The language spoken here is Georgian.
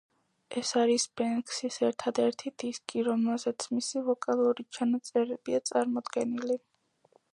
ეს არის ბენქსის ერთადერთი დისკი, რომელზეც მისი ვოკალური ჩანაწერებია წარმოდგენილი.